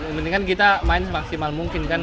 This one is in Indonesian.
yang penting kan kita main semaksimal mungkin kan